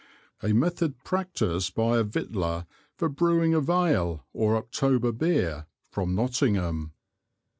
A Method practiced by a Victualler for Brewing of Ale or October Beer from Nottingham.